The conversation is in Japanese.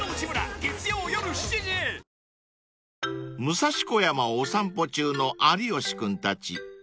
［武蔵小山をお散歩中の有吉君たち］